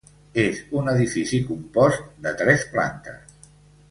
És un edifici compost de tres plantes.